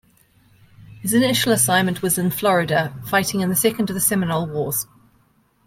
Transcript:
His initial assignment was in Florida fighting in the second of the Seminole Wars.